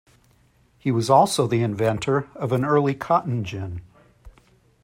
He was also the inventor of an early cotton gin.